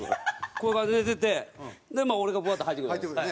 こういう感じで寝てて俺がこうやって入ってくるじゃないですか。